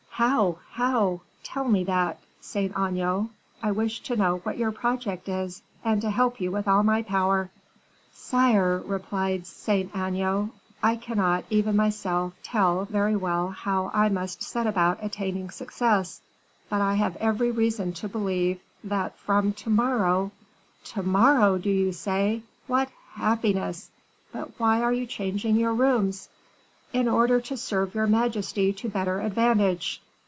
"How how? tell me that, Saint Aignan. I wish to know what your project is, and to help you with all my power." "Sire," replied Saint Aignan, "I cannot, even myself, tell very well how I must set about attaining success; but I have every reason to believe that from to morrow " "To morrow, do you say! What happiness! But why are you changing your rooms?" "In order to serve your majesty to better advantage."